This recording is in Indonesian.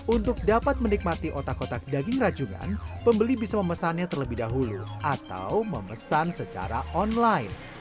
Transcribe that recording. untuk dapat menikmati otak otak daging rajungan pembeli bisa memesannya terlebih dahulu atau memesan secara online